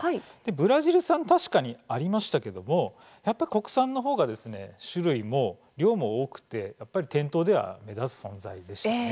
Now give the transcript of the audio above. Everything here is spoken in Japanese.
ブラジル産確かにありましたけどもやっぱ国産の方がですね種類も量も多くてやっぱり店頭では目立つ存在でした。